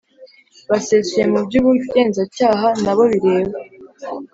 busesuye mu by ubugenzacyaha nabo bireba